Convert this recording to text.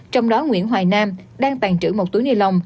trong đó nguyễn hoài nam đang tàn trữ một túi ni lông